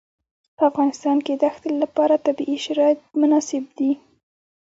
په افغانستان کې د ښتې لپاره طبیعي شرایط مناسب دي.